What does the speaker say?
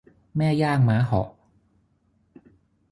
แม่ย่างม้าเหาะ